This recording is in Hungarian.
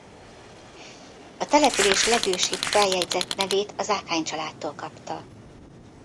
A település legősibb feljegyzett nevét a Zákány családtól kapta.